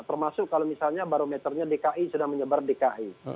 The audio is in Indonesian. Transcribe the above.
termasuk kalau misalnya barometernya dki sudah menyebar dki